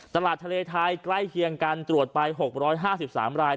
ตลาดทะเลไทยใกล้เคียงกันตรวจไป๖๕๓ราย